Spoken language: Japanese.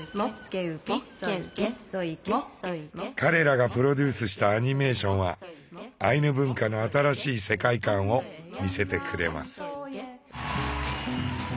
彼らがプロデュースしたアニメーションはアイヌ文化の新しい世界観を見せてくれます。